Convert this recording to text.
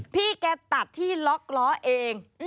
พี่แกตัดที่ล็อกล้อเอง